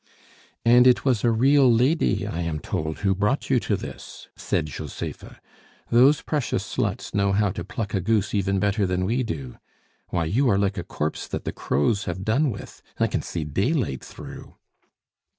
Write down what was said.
"And it was a 'real lady,' I am told who brought you to this," said Josepha. "Those precious sluts know how to pluck a goose even better than we do! Why, you are like a corpse that the crows have done with I can see daylight through!"